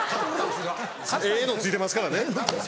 ええのついてますからね。